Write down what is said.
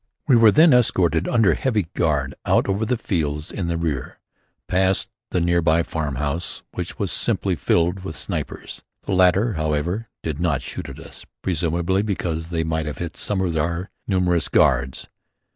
We were then escorted under heavy guard out over the fields in the rear, past the nearby farmhouse, which was simply filled with snipers. The latter, however, did not shoot at us, presumably because they might have hit some of our numerous guards.